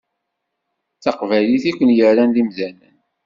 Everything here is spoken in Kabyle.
D taqbaylit i ken-yerran d imdanen.